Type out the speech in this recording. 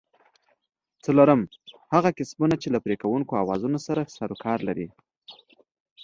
څلورم: هغه کسبونه چې له پرې کوونکو اوزارونو سره سرو کار لري؟